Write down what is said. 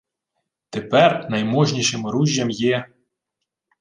— Тепер найможнішим оружжям є...